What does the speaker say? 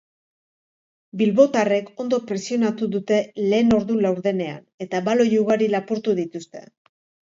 Bilbotarrek ondo presionatu dute lehen ordu laurdenean, eta baloi ugari lapurtu dituzte.